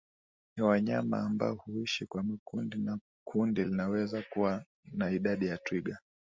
Ni wanyama ambao huishi kwa makundi na kundi linaweza kuwa na idadi ya twiga